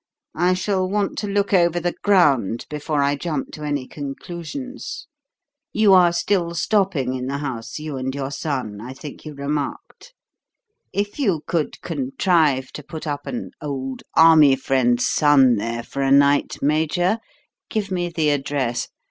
I shall want to look over the ground before I jump to any conclusions. You are still stopping in the house, you and your son, I think you remarked? If you could contrive to put up an old army friend's son there for a night, Major, give me the address.